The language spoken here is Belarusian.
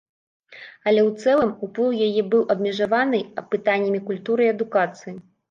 Але ў цэлым уплыў яе быў абмежаваны пытаннямі культуры і адукацыі.